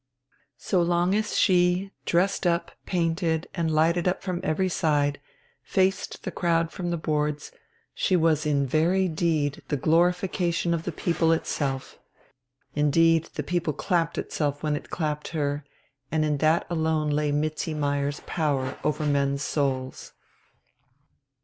So long as she, dressed up, painted, and lighted up from every side, faced the crowd from the boards, she was in very deed the glorification of the people itself indeed, the people clapped itself when it clapped her, and in that alone lay Mizzi Meyer's power over men's souls.